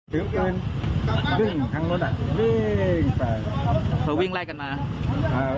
ถือปืนดึงทางรถวิ่งไปก็วิ่งไล่กันมานะ